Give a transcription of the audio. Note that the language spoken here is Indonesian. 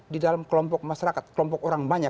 di dalam kelompok masyarakat kelompok orang banyak